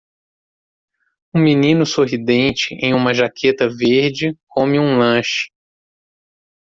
Um menino sorridente em uma jaqueta verde come um lanche